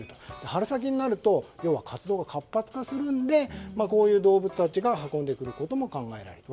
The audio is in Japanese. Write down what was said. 春先になると活動が活発化するのでこういう動物たちが運んでくることも考えられる。